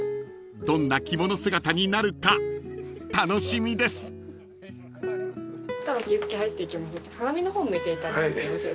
［どんな着物姿になるか楽しみです］